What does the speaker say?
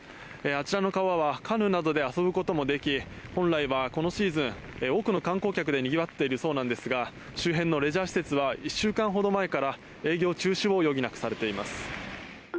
あちらの川はカヌーなどで遊ぶこともでき本来はこのシーズン多くの観光客でにぎわっているそうなんですが周辺のレジャー施設は１週間ほど前から営業中止を余儀なくされています。